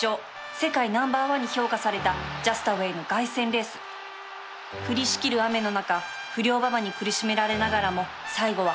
世界ナンバーワンに評価されたジャスタウェイの凱旋レース降りしきる雨の中不良馬場に苦しめられながらも最後はハナ差の勝利。